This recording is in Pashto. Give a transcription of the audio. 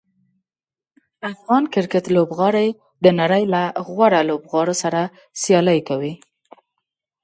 افغان کرکټ لوبغاړي د نړۍ له غوره لوبغاړو سره سیالي کوي.